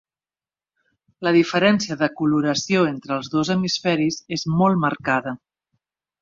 La diferència de coloració entre els dos hemisferis és molt marcada.